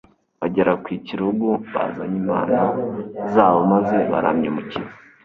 bagera ku kirugu bazanye impano zabo, maze baramya Umukiza.